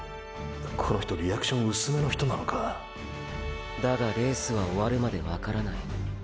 この人リアクションうすめの人なのかだがレースは終わるまでわからない。